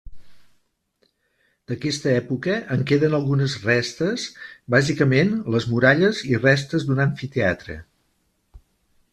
D'aquesta època en queden algunes restes bàsicament les muralles i restes d'un amfiteatre.